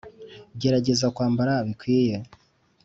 gerageza kwambara bikwiye.